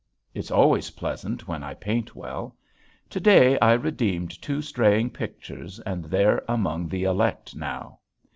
It's always pleasant when I paint well. To day I redeemed two straying pictures and they're among the elect now.